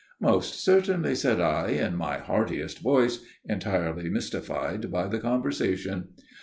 "Most certainly," said I, in my heartiest voice, entirely mystified by the conversation.